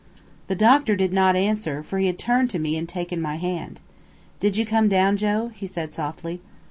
The doctor did not answer, for he had turned to me and taken my hand. "Did you come down, Joe?" he said softly.